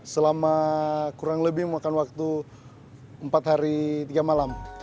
selama kurang lebih memakan waktu empat hari tiga malam